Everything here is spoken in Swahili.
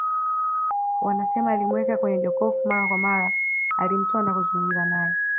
Wanasema alimuweka kwenye jokofu mara kwa mara alimtoa na kuzungumza naye